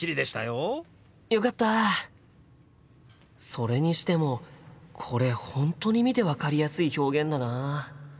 それにしてもこれ本当に見て分かりやすい表現だな。